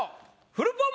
フルポン